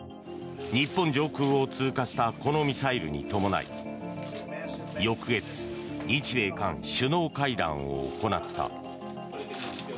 日本上空を通過したこのミサイルに伴い翌月、日米韓首脳会談を行った。